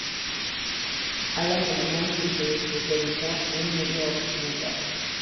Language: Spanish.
Hablaba alemán y se especializó en medicina occidental.